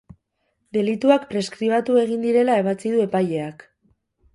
Delituak preskribatu egin direla ebatzi du epaileak.